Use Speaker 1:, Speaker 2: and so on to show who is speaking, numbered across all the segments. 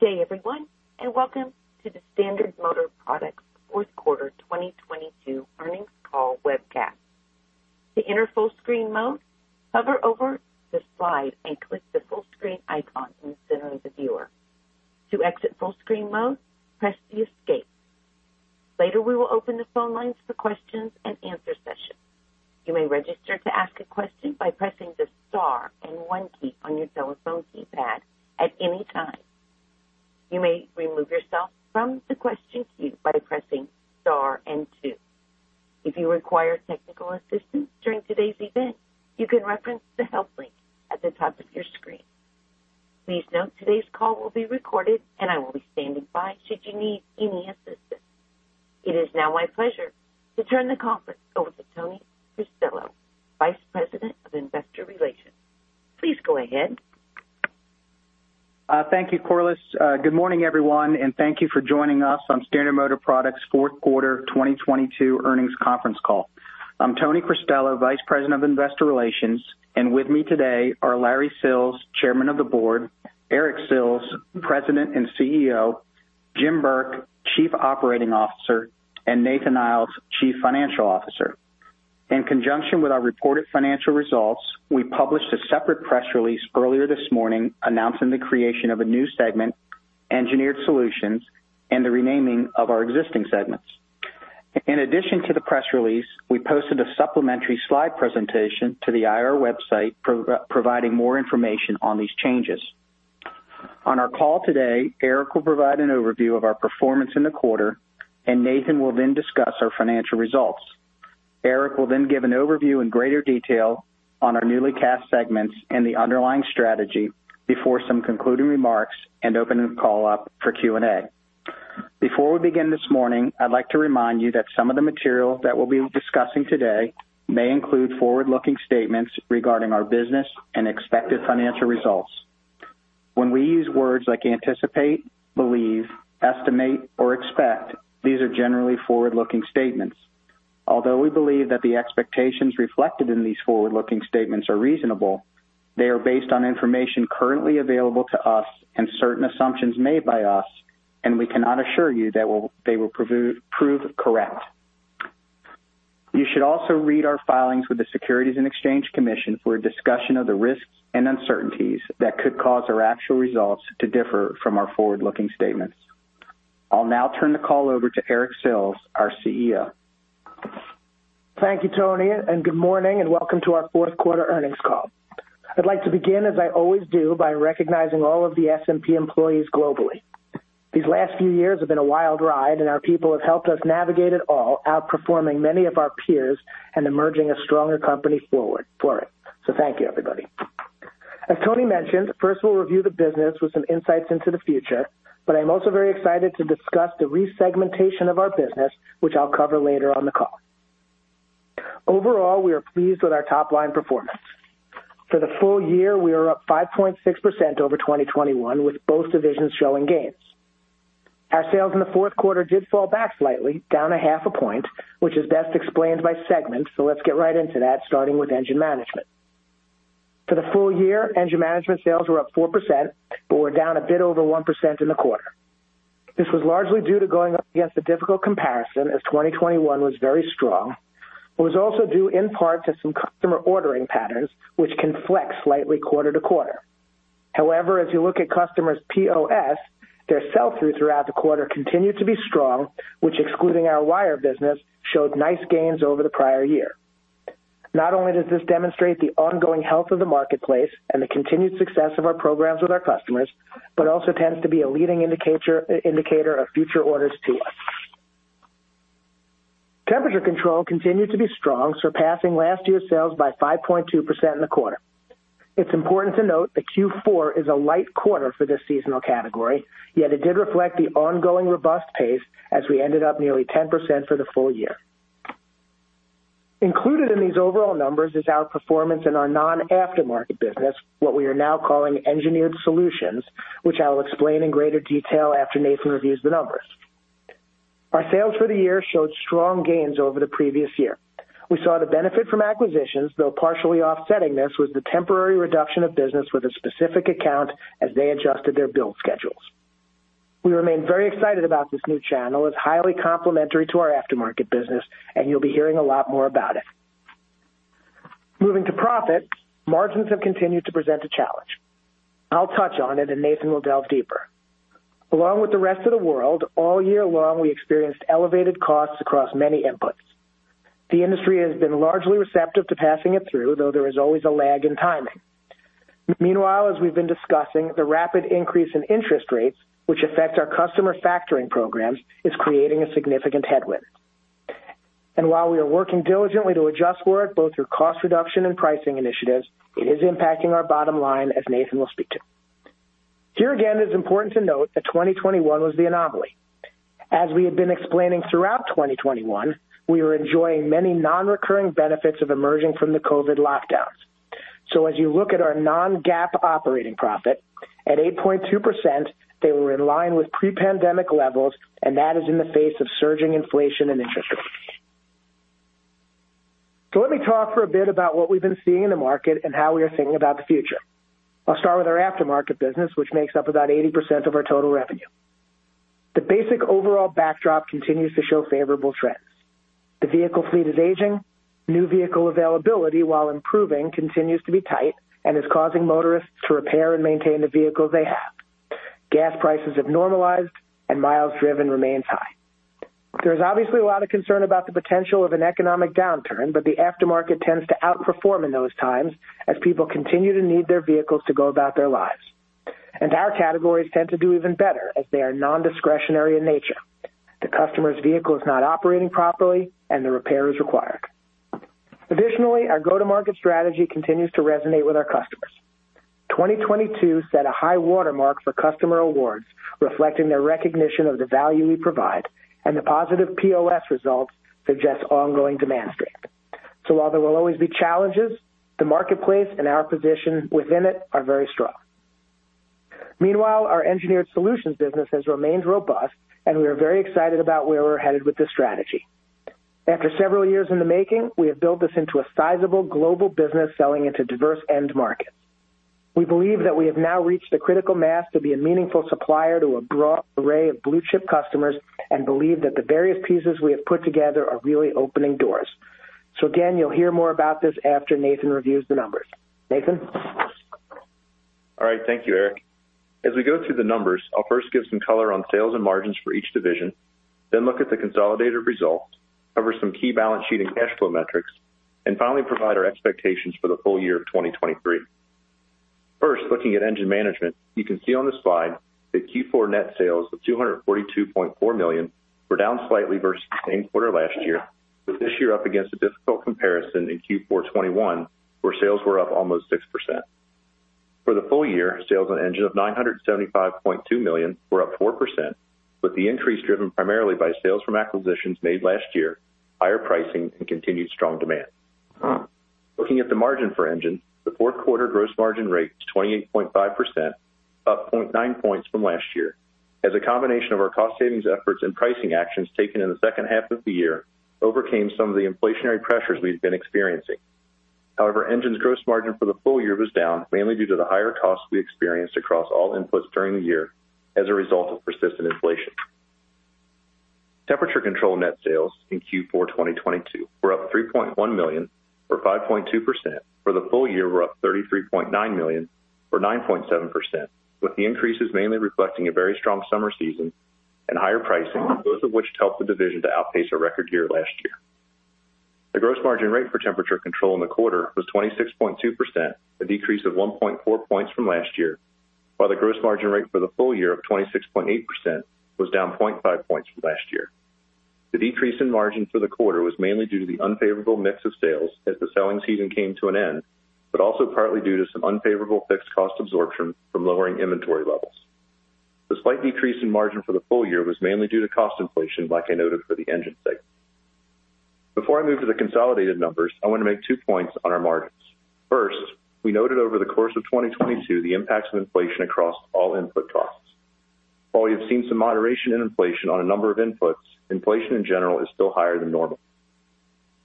Speaker 1: Good day, everyone, and welcome to the Standard Motor Products Q4 2022 earnings call webcast. To enter full screen mode, hover over the slide and click the full screen icon in the center of the viewer. To exit full screen mode, press the Escape. Later, we will open the phone lines for questions and answer session. You may register to ask a question by pressing the star and one key on your telephone keypad at any time. You may remove yourself from the question queue by pressing star and two. If you require technical assistance during today's event, you can reference the help link at the top of your screen. Please note, today's call will be recorded and I will be standing by should you need any assistance. It is now my pleasure to turn the conference over to Anthony Cristello, Vice President of Investor Relations. Please go ahead.
Speaker 2: Thank you, Corliss. Good morning, everyone, and thank you for joining us on Standard Motor Products Q4 2022 earnings conference call. I'm Tony Cristello, Vice President of Investor Relations, and with me today are Larry Sills, Chairman of the Board, Eric Sills, President and CEO, Jim Burke, Chief Operating Officer, and Nathan Iles, Chief Financial Officer. In conjunction with our reported financial results, we published a separate press release earlier this morning announcing the creation of a new segment, Engineered Solutions, and the renaming of our existing segments. In addition to the press release, we posted a supplementary slide presentation to the IR website providing more information on these changes. On our call today, Eric will provide an overview of our performance in the quarter, and Nathan will then discuss our financial results. Eric will then give an overview in greater detail on our newly cast segments and the underlying strategy before some concluding remarks and open the call up for Q&A. Before we begin this morning, I'd like to remind you that some of the material that we'll be discussing today may include forward-looking statements regarding our business and expected financial results. When we use words like anticipate, believe, estimate, or expect, these are generally forward-looking statements. Although we believe that the expectations reflected in these forward-looking statements are reasonable, they are based on information currently available to us and certain assumptions made by us, and we cannot assure you that will prove correct. You should also read our filings with the Securities and Exchange Commission for a discussion of the risks and uncertainties that could cause our actual results to differ from our forward-looking statements. I'll now turn the call over to Eric Sills, our CEO.
Speaker 3: Thank you, Tony. Good morning and welcome to our Q4 earnings call. I'd like to begin, as I always do, by recognizing all of the SMP employees globally. These last few years have been a wild ride. Our people have helped us navigate it all, outperforming many of our peers and emerging a stronger company forward for it. Thank you, everybody. As Tony mentioned, first we'll review the business with some insights into the future. I'm also very excited to discuss the resegmentation of our business, which I'll cover later on the call. Overall, we are pleased with our top-line performance. For the full year, we are up 5.6% over 2021, with both divisions showing gains. Our sales in the Q4 did fall back slightly, down a half a point, which is best explained by segments. Let's get right into that, starting with Engine Management. For the full year, Engine Management sales were up 4% but were down a bit over 1% in the quarter. This was largely due to going up against a difficult comparison, as 2021 was very strong. It was also due in part to some customer ordering patterns, which can flex slightly quarter-to-quarter. However, as you look at customers' POS, their sell-through throughout the quarter continued to be strong, which excluding our wire business, showed nice gains over the prior year. Not only does this demonstrate the ongoing health of the marketplace and the continued success of our programs with our customers, but also tends to be a leading indicator of future orders to us. Temperature Control continued to be strong, surpassing last year's sales by 5.2% in the quarter. It's important to note that Q4 is a light quarter for this seasonal category, yet it did reflect the ongoing robust pace as we ended up nearly 10% for the full year. Included in these overall numbers is our performance in our non-aftermarket business, what we are now calling Engineered Solutions, which I will explain in greater detail after Nathan reviews the numbers. Our sales for the year showed strong gains over the previous year. We saw the benefit from acquisitions, though partially offsetting this was the temporary reduction of business with a specific account as they adjusted their build schedules. We remain very excited about this new channel. It's highly complementary to our aftermarket business, and you'll be hearing a lot more about it. Moving to profit, margins have continued to present a challenge. I'll touch on it and Nathan will delve deeper. Along with the rest of the world, all year long, we experienced elevated costs across many inputs. The industry has been largely receptive to passing it through, though there is always a lag in timing. Meanwhile, as we've been discussing, the rapid increase in interest rates, which affect our customer factoring programs, is creating a significant headwind. While we are working diligently to adjust for it, both through cost reduction and pricing initiatives, it is impacting our bottom line, as Nathan will speak to. Here again, it's important to note that 2021 was the anomaly. As we have been explaining throughout 2021, we were enjoying many non-recurring benefits of emerging from the COVID lockdowns. As you look at our non-GAAP operating profit, at 8.2% they were in line with pre-pandemic levels, and that is in the face of surging inflation and interest rates. Let me talk for a bit about what we've been seeing in the market and how we are thinking about the future. I'll start with our aftermarket business, which makes up about 80% of our total revenue. The basic overall backdrop continues to show favorable trends. The vehicle fleet is aging. New vehicle availability, while improving, continues to be tight and is causing motorists to repair and maintain the vehicles they have. Gas prices have normalized and miles driven remains high. There's obviously a lot of concern about the potential of an economic downturn, but the aftermarket tends to outperform in those times as people continue to need their vehicles to go about their lives. Our categories tend to do even better as they are non-discretionary in nature. The customer's vehicle is not operating properly and the repair is required. Additionally, our go-to-market strategy continues to resonate with our customers. 2022 set a high watermark for customer awards, reflecting their recognition of the value we provide, and the positive POS results suggest ongoing demand strength. While there will always be challenges, the marketplace and our position within it are very strong. Meanwhile, our Engineered Solutions business has remained robust and we are very excited about where we're headed with this strategy. After several years in the making, we have built this into a sizable global business selling into diverse end markets. We believe that we have now reached a critical mass to be a meaningful supplier to a broad array of blue-chip customers and believe that the various pieces we have put together are really opening doors. Again, you'll hear more about this after Nathan reviews the numbers. Nathan?
Speaker 4: All right. Thank you, Eric. As we go through the numbers, I'll first give some color on sales and margins for each division, then look at the consolidated results, cover some key balance sheet and cash flow metrics, and finally provide our expectations for the full year of 2023. First, looking at Engine Management, you can see on the slide that Q4 net sales of $242.4 million were down slightly versus the same quarter last year, with this year up against a difficult comparison in Q4 2021, where sales were up almost 6%. For the full year, sales on Engine Management of $975.2 million were up 4%, with the increase driven primarily by sales from acquisitions made last year, higher pricing, and continued strong demand. Looking at the margin for engine, the Q4 gross margin rate was 28.5%, up 0.9 points from last year. As a combination of our cost savings efforts and pricing actions taken in the second half of the year overcame some of the inflationary pressures we've been experiencing. However, engine's gross margin for the full year was down, mainly due to the higher costs we experienced across all inputs during the year as a result of persistent inflation. Temperature Control net sales in Q4 2022 were up $3.1 million or 5.2%. For the full year, we're up $33.9 million or 9.7%, with the increases mainly reflecting a very strong summer season and higher pricing, both of which helped the division to outpace a record year last year. The gross margin rate for Temperature Control in the quarter was 26.2%, a decrease of 1.4 points from last year, while the gross margin rate for the full year of 26.8% was down 0.5 points from last year. The decrease in margin for the quarter was mainly due to the unfavorable mix of sales as the selling season came to an end, but also partly due to some unfavorable fixed cost absorption from lowering inventory levels. The slight decrease in margin for the full year was mainly due to cost inflation, like I noted for the Engine segment. Before I move to the consolidated numbers, I want to make two points on our margins. First, we noted over the course of 2022 the impacts of inflation across all input costs. While we have seen some moderation in inflation on a number of inputs, inflation in general is still higher than normal.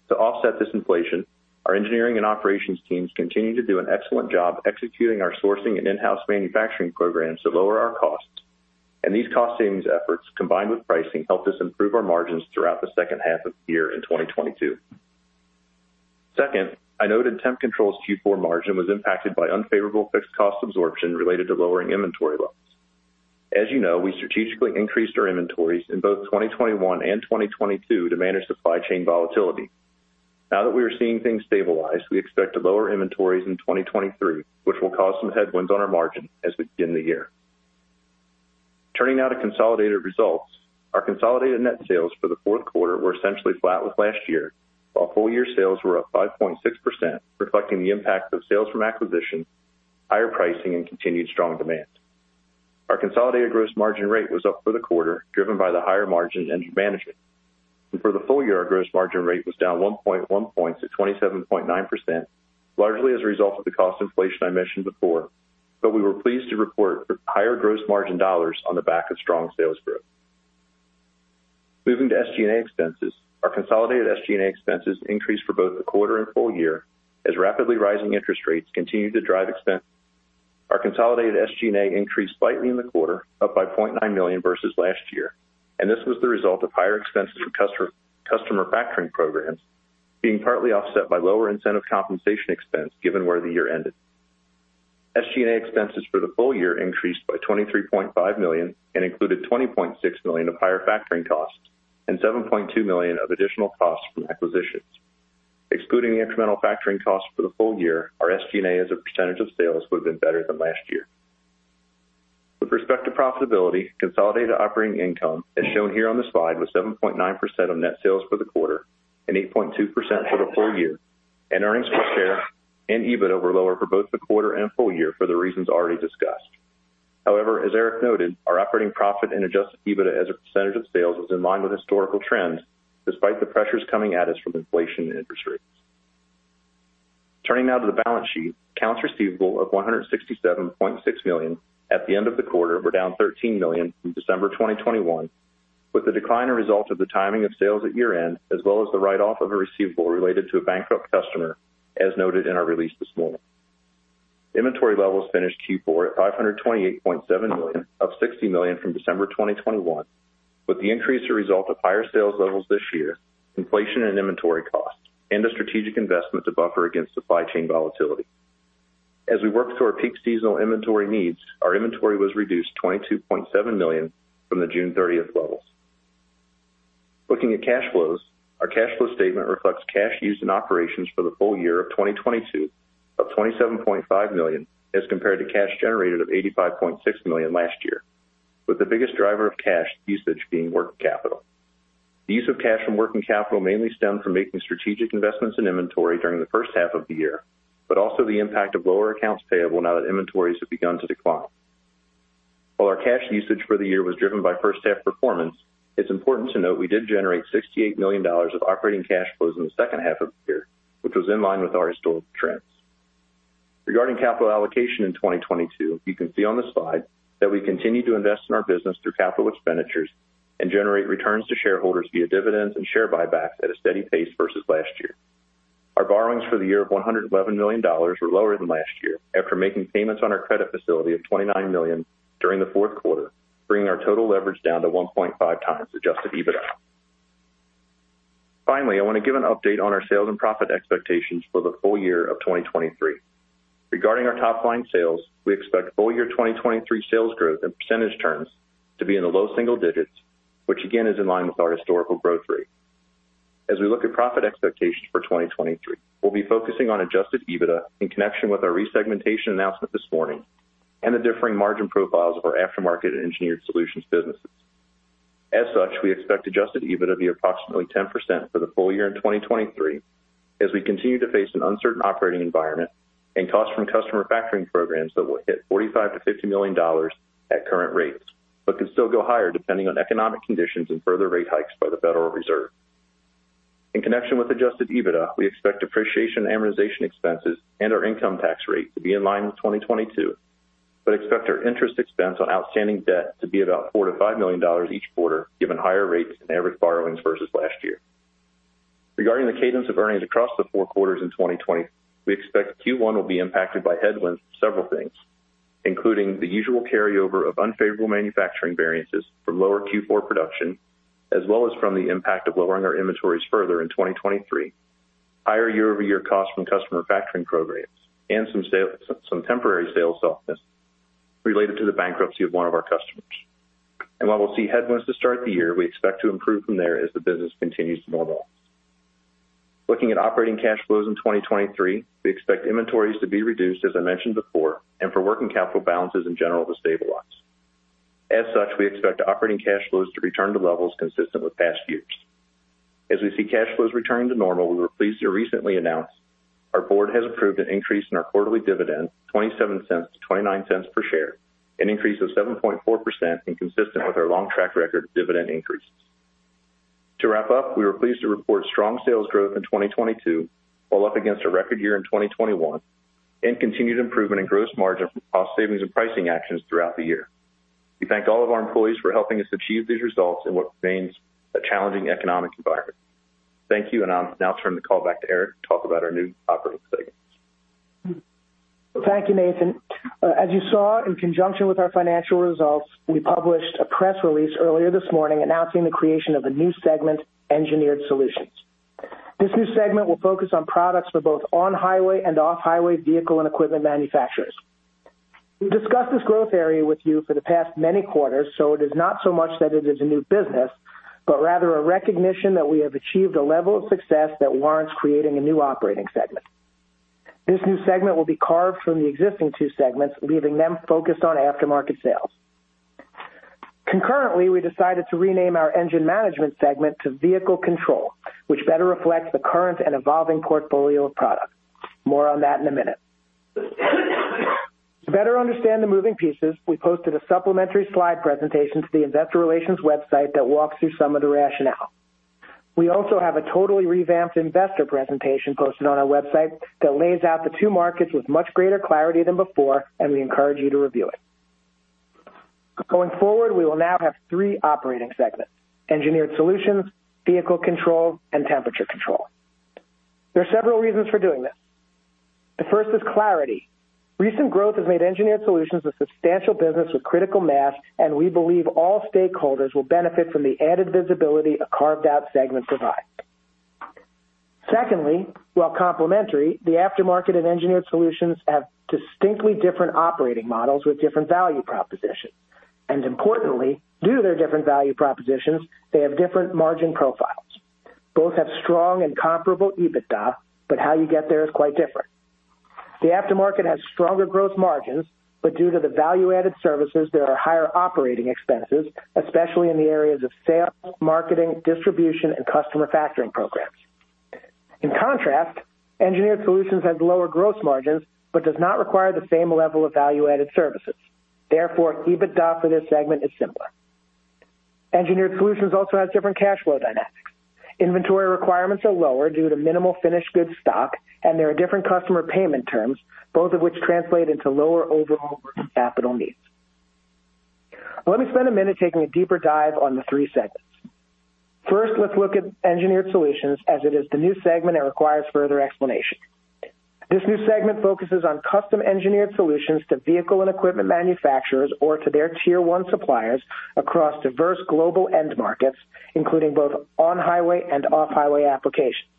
Speaker 4: To offset this inflation, our engineering and operations teams continue to do an excellent job executing our sourcing and in-house manufacturing programs to lower our costs. These cost savings efforts, combined with pricing, helped us improve our margins throughout the second half of the year in 2022. Second, I noted Temperature Control's Q4 margin was impacted by unfavorable fixed cost absorption related to lowering inventory levels. As we strategically increased our inventories in both 2021 and 2022 to manage supply chain volatility. Now that we are seeing things stabilize, we expect to lower inventories in 2023, which will cause some headwinds on our margin as we begin the year. Turning now to consolidated results. Our consolidated net sales for the Q4 were essentially flat with last year, while full year sales were up 5.6%, reflecting the impact of sales from acquisition, higher pricing, and continued strong demand. Our consolidated gross margin rate was up for the quarter, driven by the higher margin Engine Management. For the full year, our gross margin rate was down 1.1 points at 27.9%, largely as a result of the cost inflation I mentioned before. We were pleased to report higher gross margin dollars on the back of strong sales growth. Moving to SG&A expenses. Our consolidated SG&A expenses increased for both the quarter and full year as rapidly rising interest rates continued to drive expense. Our consolidated SG&A increased slightly in the quarter, up by $0.9 million versus last year. This was the result of higher expenses from customer factoring programs being partly offset by lower incentive compensation expense given where the year ended. SG&A expenses for the full year increased by $23.5 million and included $20.6 million of higher factoring costs and $7.2 million of additional costs from acquisitions. Excluding the incremental factoring costs for the full year, our SG&A as a percentage of sales would have been better than last year. With respect to profitability, consolidated operating income, as shown here on the slide, was 7.9% of net sales for the quarter and 8.2% for the full year. Earnings per share and EBIT were lower for both the quarter and full year for the reasons already discussed. As Eric noted, our operating profit and adjusted EBIT as a % of sales was in line with historical trends despite the pressures coming at us from inflation and interest rates. Turning now to the balance sheet. Accounts receivable of $167.6 million at the end of the quarter were down $13 million from December 2021, with the decline a result of the timing of sales at year-end, as well as the write-off of a receivable related to a bankrupt customer, as noted in our release this morning. Inventory levels finished Q4 at $528.7 million, up $60 million from December 2021, with the increase a result of higher sales levels this year, inflation and inventory costs, and a strategic investment to buffer against supply chain volatility. We work through our peak seasonal inventory needs, our inventory was reduced $22.7 million from the June 30th levels. Looking at cash flows. Our cash flow statement reflects cash used in operations for the full year of 2022 of $27.5 million, as compared to cash generated of $85.6 million last year, with the biggest driver of cash usage being working capital. The use of cash from working capital mainly stemmed from making strategic investments in inventory during the first half of the year, also the impact of lower accounts payable now that inventories have begun to decline. While our cash usage for the year was driven by first half performance, it's important to note we did generate $68 million of operating cash flows in the second half of the year, which was in line with our historical trends. Regarding capital allocation in 2022, you can see on the slide that we continue to invest in our business through capital expenditures and generate returns to shareholders via dividends and share buybacks at a steady pace versus last year. Our borrowings for the year of $111 million were lower than last year after making payments on our credit facility of $29 million during the Q4, bringing our total leverage down to 1.5 times adjusted EBITDA. Finally, I want to give an update on our sales and profit expectations for the full year of 2023. Regarding our top line sales, we expect full year 2023 sales growth in percentage terms to be in the low single digits, which again is in line with our historical growth rate. As we look at profit expectations for 2023, we'll be focusing on adjusted EBITDA in connection with our resegmentation announcement this morning and the differing margin profiles of our aftermarket Engineered Solutions businesses. As such, we expect adjusted EBITDA to be approximately 10% for the full year in 2023 as we continue to face an uncertain operating environment and costs from customer factoring programs that will hit $45 million-$50 million at current rates, but can still go higher depending on economic conditions and further rate hikes by the Federal Reserve. In connection with adjusted EBITDA, we expect depreciation, amortization expenses, and our income tax rate to be in line with 2022, but expect our interest expense on outstanding debt to be about $4 million-$5 million each quarter, given higher rates and average borrowings versus last year. Regarding the cadence of earnings across the 4 quarters in 2020, we expect Q1 will be impacted by headwinds from several things, including the usual carryover of unfavorable manufacturing variances from lower Q4 production, as well as from the impact of lowering our inventories further in 2023. Higher year-over-year costs from customer factoring programs and some temporary sales softness related to the bankruptcy of one of our customers. While we'll see headwinds to start the year, we expect to improve from there as the business continues to normalize. Looking at operating cash flows in 2023, we expect inventories to be reduced, as I mentioned before, and for working capital balances in general to stabilize. Such, we expect operating cash flows to return to levels consistent with past years. As we see cash flows returning to normal, we were pleased to recently announce our board has approved an increase in our quarterly dividend $0.27 to $0.29 per share, an increase of 7.4% and consistent with our long track record of dividend increases. To wrap up, we were pleased to report strong sales growth in 2022, while up against a record year in 2021, and continued improvement in gross margin from cost savings and pricing actions throughout the year. We thank all of our employees for helping us achieve these results in what remains a challenging economic environment. Thank you. I'll now turn the call back to Eric to talk about our new operating segments.
Speaker 3: Thank you, Nathan. As you saw, in conjunction with our financial results, we published a press release earlier this morning announcing the creation of a new segment, Engineered Solutions. This new segment will focus on products for both on-highway and off-highway vehicle and equipment manufacturers. We've discussed this growth area with you for the past many quarters, it is not so much that it is a new business, but rather a recognition that we have achieved a level of success that warrants creating a new operating segment. This new segment will be carved from the existing two segments, leaving them focused on aftermarket sales. Concurrently, we decided to rename our Engine Management segment to Vehicle Control, which better reflects the current and evolving portfolio of products. More on that in a minute. To better understand the moving pieces, we posted a supplementary slide presentation to the investor relations website that walks through some of the rationale. We also have a totally revamped investor presentation posted on our website that lays out the two markets with much greater clarity than before, and we encourage you to review it. Going forward, we will now have three operating segments: Engineered Solutions, Vehicle Control, and Temperature Control. There are several reasons for doing this. The first is clarity. Recent growth has made Engineered Solutions a substantial business with critical mass, and we believe all stakeholders will benefit from the added visibility a carved-out segment provides. Secondly, while complementary, the aftermarket and Engineered Solutions have distinctly different operating models with different value propositions. Importantly, due to their different value propositions, they have different margin profiles. Both have strong and comparable EBITDA, but how you get there is quite different. The aftermarket has stronger gross margins, but due to the value-added services, there are higher operating expenses, especially in the areas of sales, marketing, distribution, and customer factoring programs. In contrast, Engineered Solutions has lower gross margins but does not require the same level of value-added services. Therefore, EBITDA for this segment is simpler. Engineered Solutions also has different cash flow dynamics. Inventory requirements are lower due to minimal finished goods stock, and there are different customer payment terms, both of which translate into lower overall working capital needs. Let me spend a minute taking a deeper dive on the three segments. First, let's look at Engineered Solutions as it is the new segment that requires further explanation. This new segment focuses on custom engineered solutions to vehicle and equipment manufacturers or to their Tier 1 suppliers across diverse global end markets, including both on-highway and off-highway applications.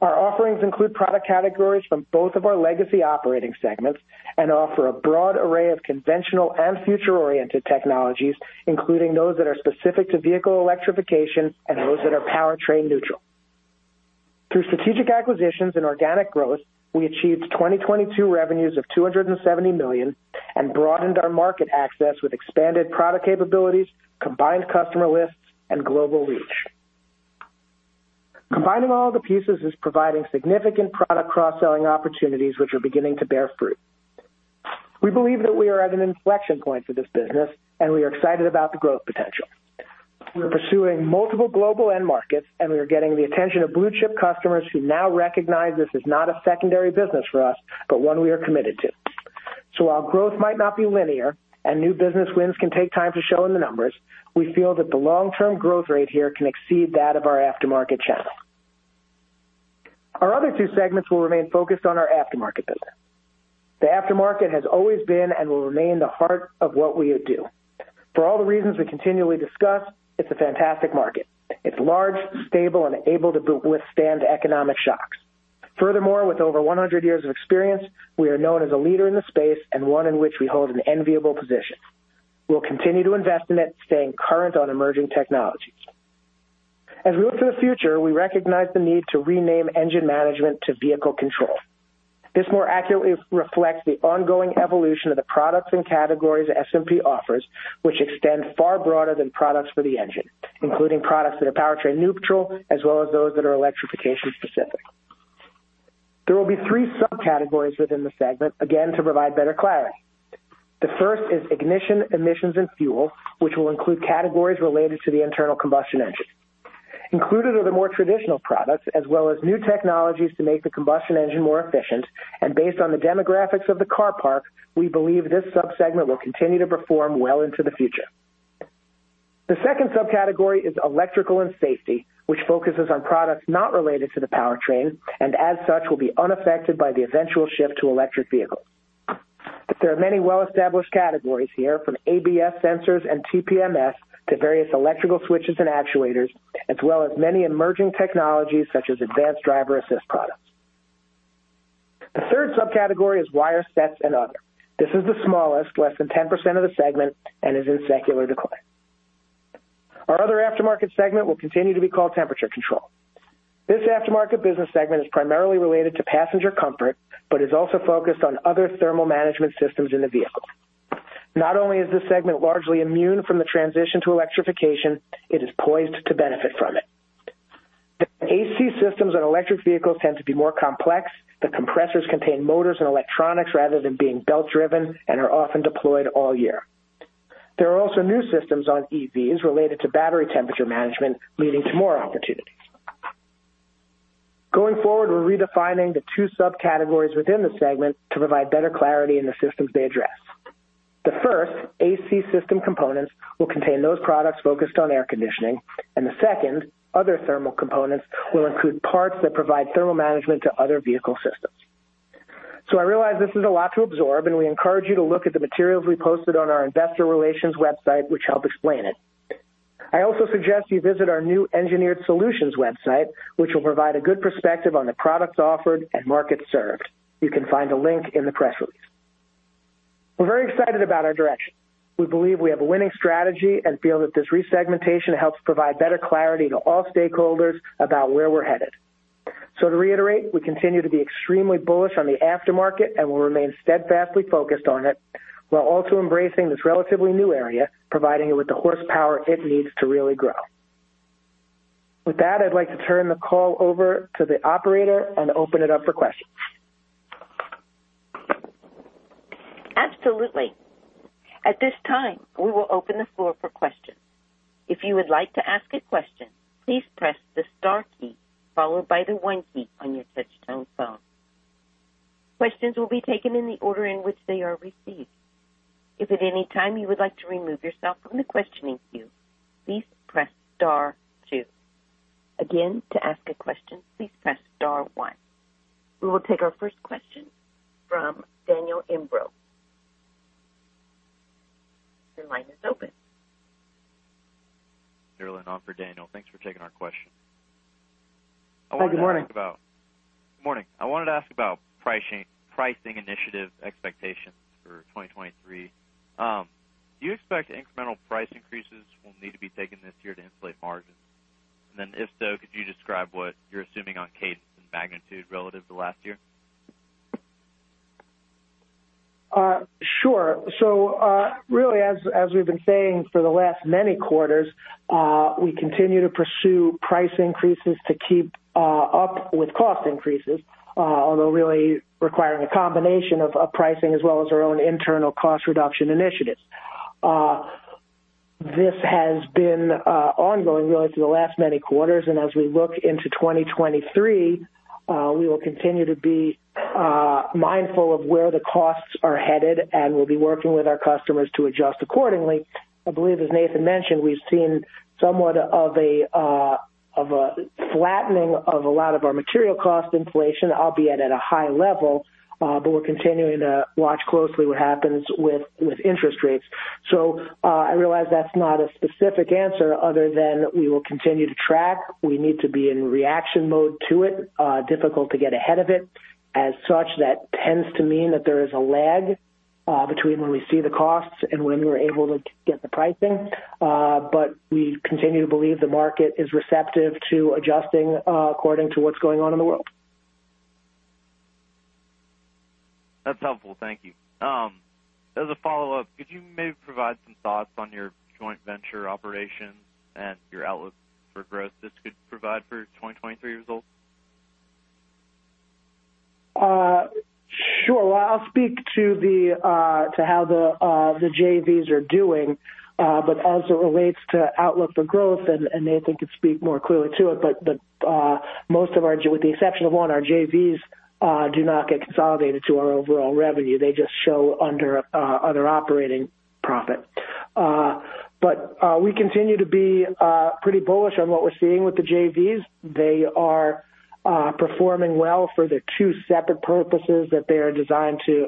Speaker 3: Our offerings include product categories from both of our legacy operating segments and offer a broad array of conventional and future-oriented technologies, including those that are specific to vehicle electrification and those that are powertrain neutral. Through strategic acquisitions and organic growth, we achieved 2022 revenues of $270 million and broadened our market access with expanded product capabilities, combined customer lists, and global reach. Combining all the pieces is providing significant product cross-selling opportunities, which are beginning to bear fruit. We believe that we are at an inflection point for this business and we are excited about the growth potential. We're pursuing multiple global end markets and we are getting the attention of blue-chip customers who now recognize this is not a secondary business for us, but one we are committed to. While growth might not be linear and new business wins can take time to show in the numbers, we feel that the long-term growth rate here can exceed that of our aftermarket channel. Our other two segments will remain focused on our aftermarket business. The aftermarket has always been and will remain the heart of what we do. For all the reasons we continually discuss, it's a fantastic market. It's large, stable, and able to withstand economic shocks. With over 100 years of experience, we are known as a leader in the space and one in which we hold an enviable position. We'll continue to invest in it, staying current on emerging technologies. As we look to the future, we recognize the need to rename Engine Management to Vehicle Control. This more accurately reflects the ongoing evolution of the products and categories SMP offers, which extend far broader than products for the engine, including products that are powertrain neutral, as well as those that are electrification specific. There will be three subcategories within the segment, again, to provide better clarity. The first is Ignition, Emissions, & Fuel, which will include categories related to the internal combustion engine. Included are the more traditional products as well as new technologies to make the combustion engine more efficient. Based on the demographics of the car park, we believe this sub-segment will continue to perform well into the future. The second subcategory is Electrical & Safety, which focuses on products not related to the powertrain, and as such, will be unaffected by the eventual shift to electric vehicles. There are many well-established categories here, from ABS sensors and TPMS to various electrical switches and actuators, as well as many emerging technologies such as advanced driver assist products. The third subcategory is wire sets and other. This is the smallest, less than 10% of the segment, and is in secular decline. Our other aftermarket segment will continue to be called Temperature Control. This aftermarket business segment is primarily related to passenger comfort, but is also focused on other thermal management systems in the vehicle. Not only is this segment largely immune from the transition to electrification, it is poised to benefit from it. The AC systems on electric vehicles tend to be more complex. The compressors contain motors and electronics rather than being belt-driven and are often deployed all year. There are also new systems on EVs related to battery temperature management, leading to more opportunities. Going forward, we're redefining the two subcategories within the segment to provide better clarity in the systems they address. The first, A/C System Components, will contain those products focused on air conditioning, and the second, Other Thermal Components, will include parts that provide thermal management to other vehicle systems. I realize this is a lot to absorb, and we encourage you to look at the materials we posted on our investor relations website, which help explain it. I also suggest you visit our new Engineered Solutions website, which will provide a good perspective on the products offered and markets served. You can find a link in the press release. We're very excited about our direction. We believe we have a winning strategy and feel that this resegmentation helps provide better clarity to all stakeholders about where we're headed. To reiterate, we continue to be extremely bullish on the aftermarket and will remain steadfastly focused on it while also embracing this relatively new area, providing it with the horsepower it needs to really grow. With that, I'd like to turn the call over to the operator and open it up for questions.
Speaker 1: Absolutely. At this time, we will open the floor for questions. If you would like to ask a question, please press the star key followed by the one key on your touch-tone phone. Questions will be taken in the order in which they are received. If at any time you would like to remove yourself from the questioning queue, please press star two. Again, to ask a question, please press star one. We will take our first question from Daniel Imbro. Your line is open.
Speaker 3: for Daniel. Thanks for taking our question.
Speaker 5: Good morning. Good morning. I wanted to ask about pricing initiative expectations for 2023. Do you expect incremental price increases will need to be taken this year to insulate margins? If so, could you describe what you're assuming on case and magnitude relative to last year?
Speaker 2: Sure. Really, as we've been saying for the last many quarters, we continue to pursue price increases to keep up with cost increases, although really requiring a combination of pricing as well as our own internal cost reduction initiatives. This has been ongoing really for the last many quarters. As we look into 2023, we will continue to be mindful of where the costs are headed, and we'll be working with our customers to adjust accordingly. I believe, as Nathan mentioned, we've seen somewhat of a flattening of a lot of our material cost inflation, albeit at a high level, but we're continuing to watch closely what happens with interest rates. I realize that's not a specific answer other than we will continue to track. We need to be in reaction mode to it, difficult to get ahead of it. As such, that tends to mean that there is a lag between when we see the costs and when we're able to get the pricing. We continue to believe the market is receptive to adjusting, according to what's going on in the world.
Speaker 5: That's helpful. Thank you. As a follow-up, could you maybe provide some thoughts on your joint venture operations and your outlook for growth this could provide for 2023 results?
Speaker 2: Sure. Well, I'll speak to how the JVs are doing. As it relates to outlook for growth, and Nathan could speak more clearly to it, but most of our JVs the exception of one, our JVs do not get consolidated to our overall revenue. They just show under other operating profit. We continue to be pretty bullish on what we're seeing with the JVs. They are performing well for the two separate purposes that they are designed to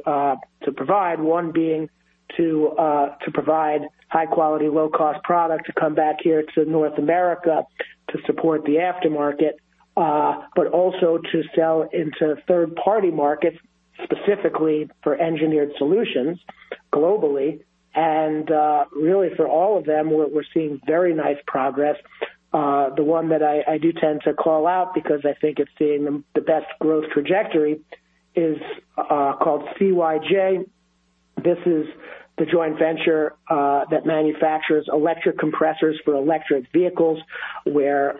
Speaker 2: provide. One being to provide high quality, low cost product to come back here to North America to support the aftermarket, but also to sell into third-party markets, specifically for Engineered Solutions globally. Really for all of them, we're seeing very nice progress. The one that I do tend to call out because I think it's seeing the best growth trajectory is called CYJ. This is the joint venture that manufactures electric compressors for electric vehicles, where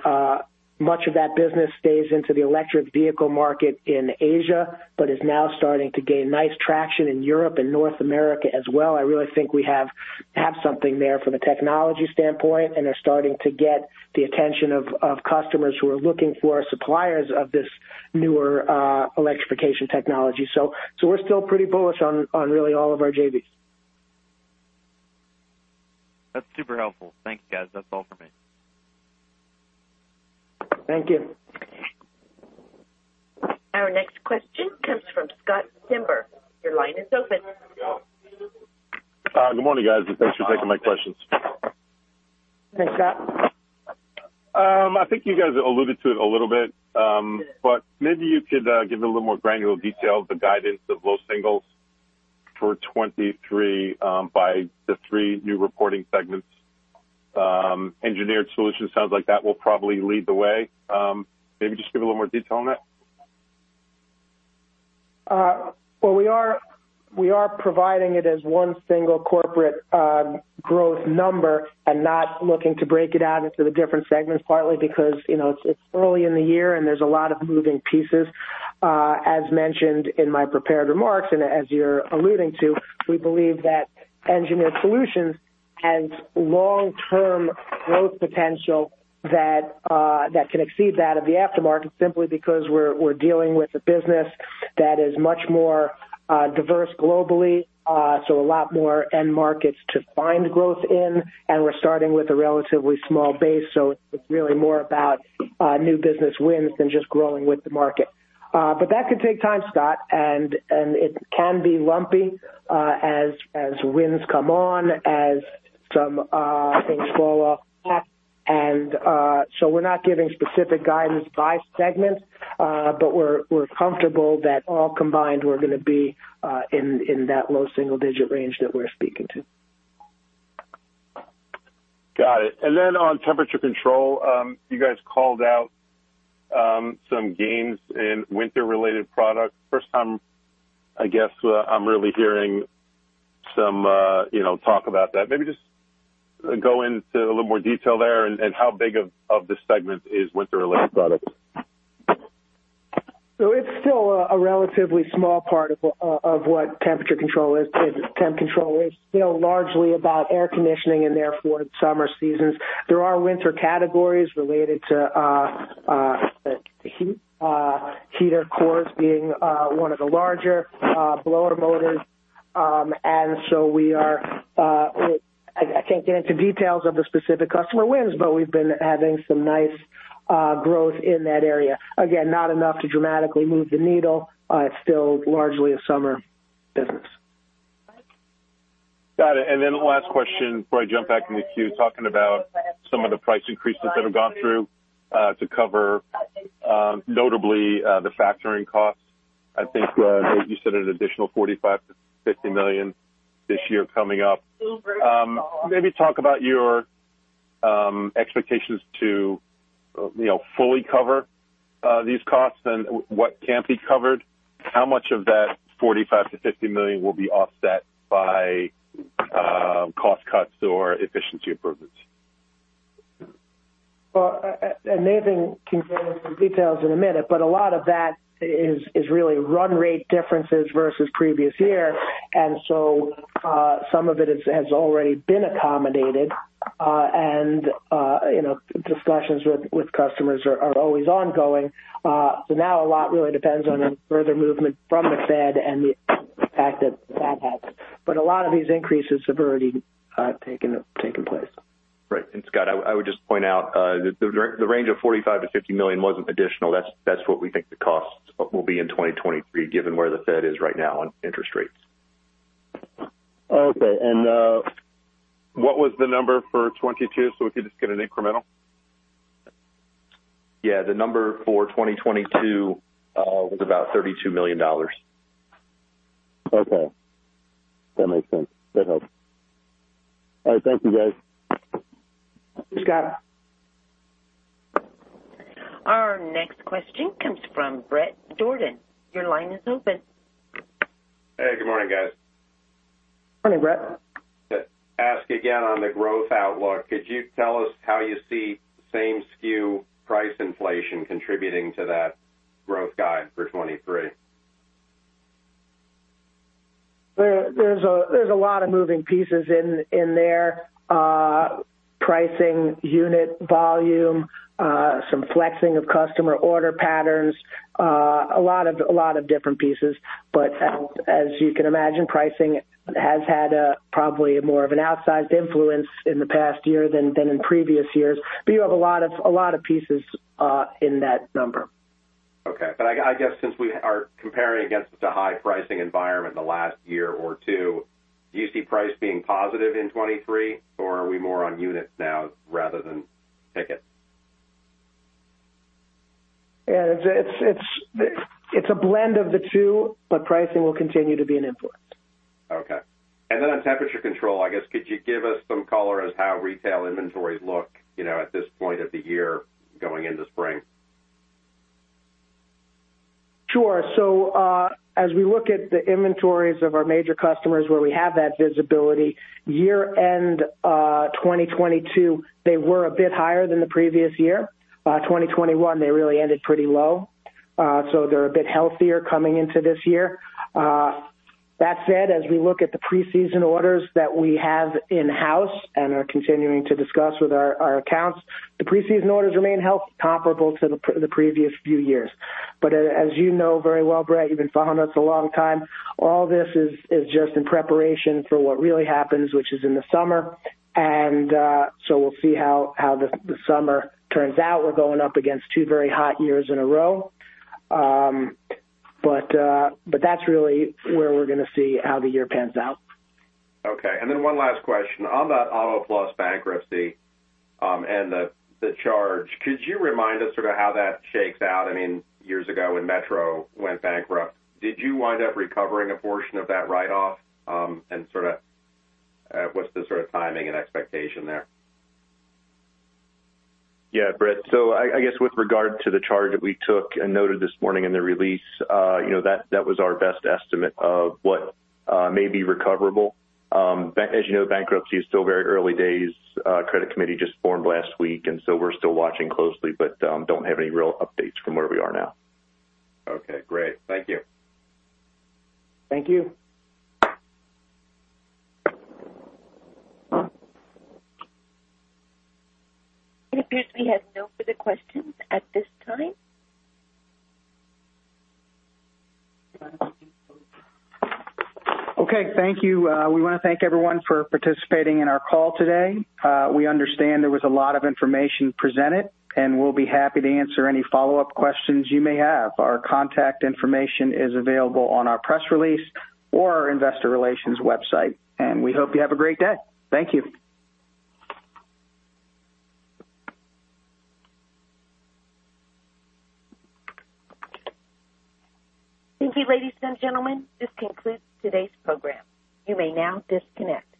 Speaker 2: much of that business stays into the electric vehicle market in Asia, but is now starting to gain nice traction in Europe and North America as well. I really think we have something there from a technology standpoint, and they're starting to get the attention of customers who are looking for suppliers of this newer electrification technology. We're still pretty bullish on really all of our JVs.
Speaker 5: That's super helpful. Thank you, guys. That's all for me.
Speaker 2: Thank you.
Speaker 1: Our next question comes from Scott Stember. Your line is open.
Speaker 6: Good morning, guys, and thanks for taking my questions.
Speaker 3: Hi, Scott.
Speaker 6: I think you guys alluded to it a little bit, but maybe you could give a little more granular detail of the guidance of low singles for 23, by the three new reporting segments. Engineered Solutions sounds like that will probably lead the way. Maybe just give a little more detail on that.
Speaker 3: Well, we are providing it as one single corporate growth number and not looking to break it out into the different segments, partly because, it's early in the year, and there's a lot of moving pieces. As mentioned in my prepared remarks, and as you're alluding to, we believe that Engineered Solutions has long-term growth potential that can exceed that of the aftermarket simply because we're dealing with a business that is much more diverse globally, so a lot more end markets to find growth in. We're starting with a relatively small base, so it's really more about new business wins than just growing with the market. But that could take time, Scott, and it can be lumpy as wins come on, as some things fall off. We're not giving specific guidance by segment, but we're comfortable that all combined, we're going to be in that low single digit range that we're speaking to.
Speaker 6: Got it. On Temperature Control, you guys called out some gains in winter-related products. First time, I guess, I'm really hearing some, talk about that. Maybe just go into a little more detail there and how big of this segment is winter-related products?
Speaker 3: it's still a relatively small part of what Temperature Control is. Temp Control is still largely about air conditioning and therefore summer seasons. There are winter categories related to heat, heater cores being one of the larger blower motors. we are. I can't get into details of the specific customer wins, but we've been having some nice growth in that area. Again, not enough to dramatically move the needle. It's still largely a summer business.
Speaker 6: Got it. Last question before I jump back in the queue, talking about some of the price increases that have gone through to cover, notably, the factoring costs. I think Nathan, you said an additional $45 million-$50 million this year coming up. Maybe talk about your expectations to, fully cover these costs and what can't be covered. How much of that $45 million-$50 million will be offset by cost cuts or efficiency improvements?
Speaker 3: Well, uh, uh, and Nathan can go into some details in a minute, but a lot of that is, is really run rate differences versus previous year. And so, uh, some of it has, has already been accommodated. Discussions with, with customers are, are always ongoing. Uh, so now a lot really depends on further movement from the Fed and the fact that that happens. But a lot of these increases have already, uh, taken, taken place.
Speaker 4: Right. Scott, I would just point out, the range of $45 million-$50 million wasn't additional. That's what we think the costs will be in 2023, given where the Fed is right now on interest rates.
Speaker 6: Okay. what was the number for 22, so we could just get an incremental?
Speaker 4: Yeah, the number for 2022, was about $32 million.
Speaker 6: Okay. That makes sense. That helps. All right, thank you, guys.
Speaker 3: Thanks, Scott.
Speaker 1: Our next question comes from Bret Jordan. Your line is open.
Speaker 7: Hey, good morning, guys.
Speaker 3: Morning, Bret.
Speaker 7: To ask again on the growth outlook, could you tell us how you see same SKU price inflation contributing to that growth guide for 2023?
Speaker 3: There's a lot of moving pieces in there. Pricing, unit volume, some flexing of customer order patterns, a lot of different pieces. As you can imagine, pricing has had a probably more of an outsized influence in the past year than in previous years. You have a lot of pieces in that number.
Speaker 7: Okay. I guess since we are comparing against the high pricing environment the last year or 2, do you see price being positive in 23, or are we more on units now rather than tickets?
Speaker 3: Yeah. It's a blend of the two, but pricing will continue to be an influence.
Speaker 7: Okay. On Temperature Control, I guess, could you give us some color as how retail inventories look, at this point of the year going into spring?
Speaker 2: Sure. As we look at the inventories of our major customers where we have that visibility, year-end, 2022, they were a bit higher than the previous year. 2021, they really ended pretty low. They're a bit healthier coming into this year. That said, as we look at the preseason orders that we have in-house and are continuing to discuss with our accounts, the preseason orders remain healthy comparable to the pre-previous few years. As you know very well, Brett, you've been following us a long time, all this is just in preparation for what really happens, which is in the summer. We'll see how the summer turns out. We're going up against 2 very hot years in a row.
Speaker 3: That's really where we're going to see how the year pans out.
Speaker 7: Okay. One last question. On the Auto Plus bankruptcy, the charge, could you remind us sort of how that shakes out? I mean, years ago, when Metro went bankrupt, did you wind up recovering a portion of that write-off? Sort of, what's the sort of timing and expectation there?
Speaker 4: Yeah, Bret. I guess with regard to the charge that we took and noted this morning in the release, that was our best estimate of what may be recoverable. As bankruptcy is still very early days. Credit committee just formed last week, we're still watching closely, but don't have any real updates from where we are now.
Speaker 7: Okay, great. Thank you.
Speaker 3: Thank you.
Speaker 1: It appears we have no further questions at this time.
Speaker 3: Okay, thank you. We want to thank everyone for participating in our call today. We understand there was a lot of information presented. We'll be happy to answer any follow-up questions you may have. Our contact information is available on our press release or our investor relations website. We hope you have a great day. Thank you.
Speaker 1: Thank you, ladies and gentlemen. This concludes today's program. You may now disconnect.